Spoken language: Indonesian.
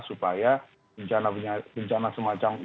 supaya bencana semacam ini tidak akan terjadi